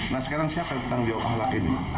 nah sekarang siapa yang menjawab ahlak ini